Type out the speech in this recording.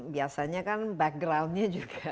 biasanya kan backgroundnya juga